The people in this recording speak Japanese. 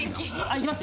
いきます？